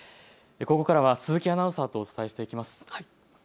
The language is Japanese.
ここからは鈴木アナウンサーとお伝えしていきます。